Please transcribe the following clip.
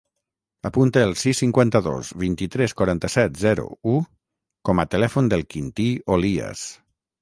Apunta el sis, cinquanta-dos, vint-i-tres, quaranta-set, zero, u com a telèfon del Quintí Olias.